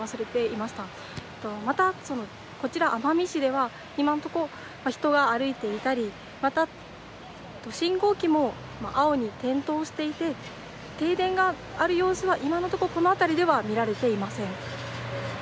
また、こちら奄美市では今のところ人が歩いていたりまた、信号機も青に転倒していて停電がある様子は今のところこの辺りでは見られていません。